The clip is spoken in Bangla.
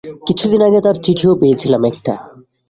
কিছুদিন আগে তার চিঠিও পেয়েছিলাম একটা।